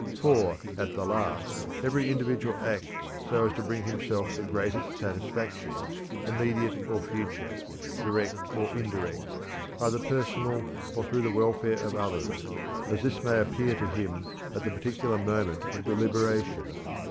For, _at the last, every individual acts so as to bring himself the greatest satisfaction, immediate or future, direct or indirect, either personal or through the welfare of others, as this may appear to him at the particular moment of deliberation_.